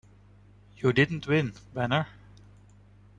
You didn't win, Banner.